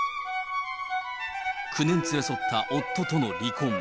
９年連れ添った夫との離婚。